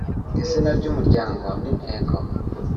izina ry umuryango n intego